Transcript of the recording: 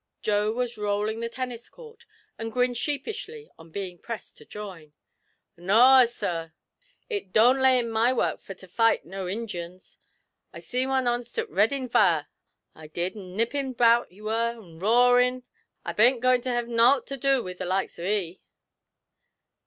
Joe was rolling the tennis court, and grinned sheepishly on being pressed to join. 'Noa, sur,' he said, 'it doan't lay in my work fur to fight no Injins. I see one onst at Reading Vair, I did, a nippin' about he wur, and a roarin'! I bain't goin' to hev naught to do with the likes o' he!'